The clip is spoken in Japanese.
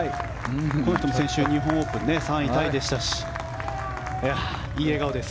この人も先週日本オープン、３位タイでしたしいい笑顔です。